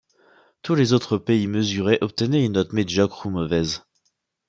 Tous les autres pays mesurés obtenaient une note médiocre ou mauvaise.